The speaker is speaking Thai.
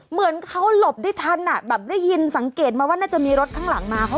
เหมือนเขาหลบได้ทันอ่ะแบบได้ยินสังเกตมาว่าน่าจะมีรถข้างหลังมา